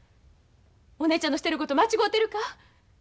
お姉ちゃんのしてること間違うてるか？